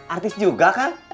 artis juga kak